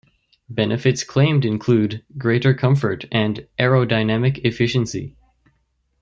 Benefits claimed include greater comfort and aerodynamic efficiency.